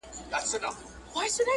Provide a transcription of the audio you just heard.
په غرنيو لارو پلونه په اټکل نه ږدي څوک